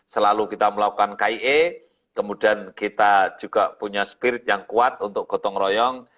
selalu kita melakukan kie kemudian kita juga punya spirit yang kuat untuk gotong royong